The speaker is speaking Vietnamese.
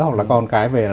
hoặc là con cái về